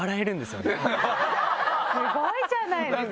スゴいじゃないですか！